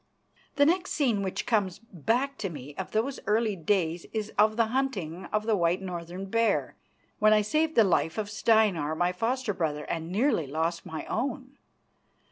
The next scene which comes back to me of those early days is that of the hunting of the white northern bear, when I saved the life of Steinar, my foster brother, and nearly lost my own.